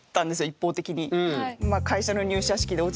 一方的に。